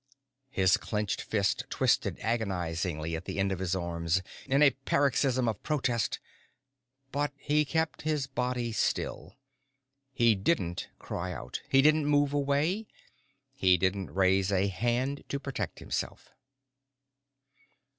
His clenched fists twisted agonizingly at the ends of his arms in a paroxysm of protest, but he kept his body still. He didn't cry out; he didn't move away; he didn't raise a hand to protect himself.